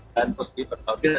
dan terus dipertahankan